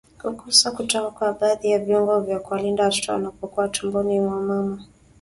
Kukosa kutoka kwa baadhi ya viungo vya kuwalinda watoto wanapokuwa tumboni mwa mama